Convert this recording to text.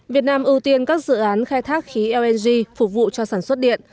việt nam ưu tiên các dự án khai thác khí lng phục vụ cho sản xuất điện